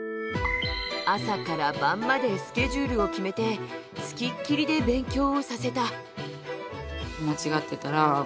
朝から晩までスケジュールを決めて付きっきりで勉強をさせた。